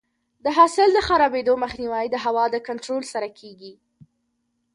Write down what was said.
د حاصل د خرابېدو مخنیوی د هوا د کنټرول سره کیږي.